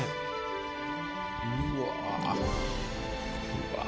うわ。